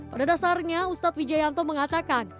pada dasarnya ustadz wijayanto mengatakan